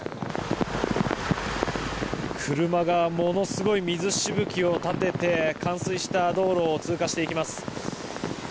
車がものすごい水しぶきを立てて冠水した道路を通過していきます。